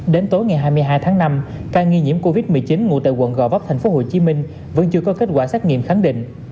đến tối ngày hai mươi hai tháng năm ca nghi nhiễm covid một mươi chín ngụ tại quận gò vấp tp hcm vẫn chưa có kết quả xét nghiệm khẳng định